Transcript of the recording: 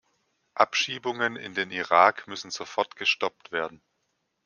Abschiebungen in den Irak müssen sofort gestoppt werden.